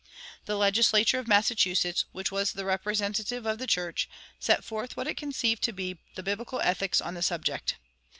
The legislature of Massachusetts, which was the representative of the church, set forth what it conceived to be the biblical ethics on the subject.